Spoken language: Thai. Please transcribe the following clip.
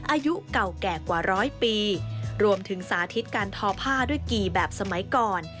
อายุเก่าแก่กว่าร้อยปีรวมถึงสาธิตการทอผ้าด้วยกี่แบบสมัยก่อน